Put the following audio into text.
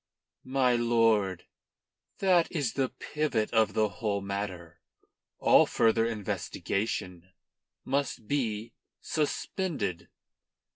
"My lord, that is the pivot of the whole matter. All further investigation must be suspended."